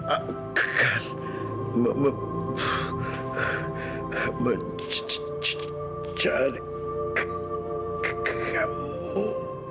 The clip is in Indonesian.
aku akan mem mem mencari kamu